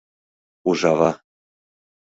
— Ужава!